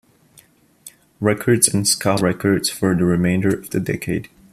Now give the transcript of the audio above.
Records and Ska Records for the remainder of the decade.